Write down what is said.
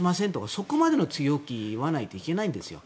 そこまで強気じゃないといけないんですよ。